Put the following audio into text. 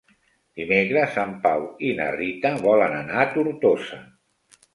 Dimecres en Pau i na Rita volen anar a Tortosa.